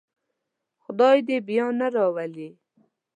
خدای دې یې بیا نه راولي.